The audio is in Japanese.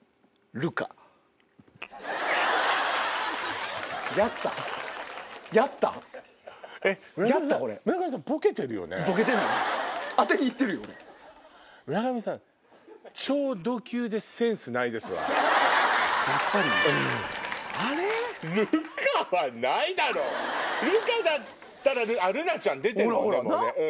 ルカだったらあっルナちゃん出てるね。